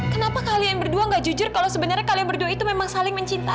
kenapa kalian berdua gak jujur kalau sebenarnya kalian berdua itu memang saling mencintai